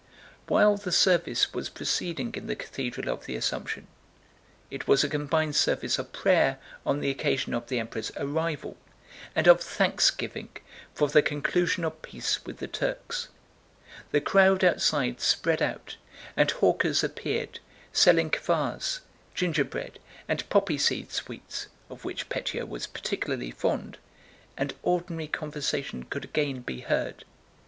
While the service was proceeding in the Cathedral of the Assumption—it was a combined service of prayer on the occasion of the Emperor's arrival and of thanksgiving for the conclusion of peace with the Turks—the crowd outside spread out and hawkers appeared, selling kvass, gingerbread, and poppyseed sweets (of which Pétya was particularly fond), and ordinary conversation could again be heard.